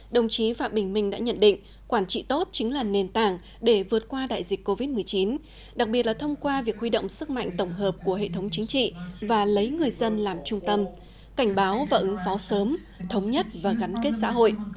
đồng chí phạm bình minh đã nhận định quản trị tốt chính là nền tảng để vượt qua đại dịch covid một mươi chín đặc biệt là thông qua việc huy động sức mạnh tổng hợp của hệ thống chính trị và lấy người dân làm trung tâm cảnh báo và ứng phó sớm thống nhất và gắn kết xã hội